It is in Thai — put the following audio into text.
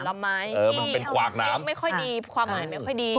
ละไม้ที่ไม่ค่อยดีความหมายไม่ค่อยดี